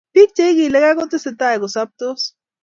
Biik Che ikilegei kotesetai kosuptos